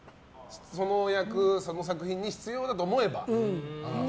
その役、その作品に必要だと思えば？